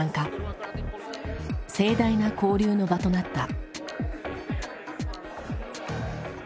盛大な交流の場となった。